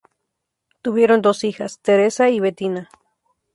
Tuvieron dos hijas: Teresa y Bettina.